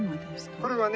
これはね